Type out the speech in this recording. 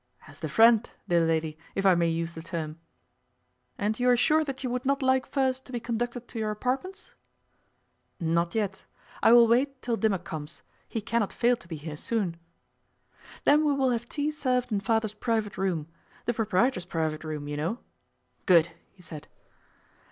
'As the friend, dear lady, if I may use the term.' 'And you are sure that you would not like first to be conducted to your apartments?' 'Not yet. I will wait till Dimmock comes; he cannot fail to be here soon.' 'Then we will have tea served in father's private room the proprietor's private room, you know.' 'Good!' he said.